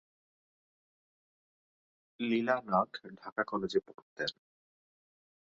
লীলা নাগ ঢাকা কলেজে পড়তেন।